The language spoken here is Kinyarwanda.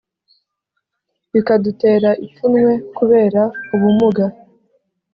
bikadutera ipfunwe kubera ubumuga